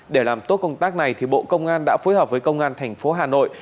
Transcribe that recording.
để làm tốt công tác này bộ công an đã phối hợp với công an tp hà nội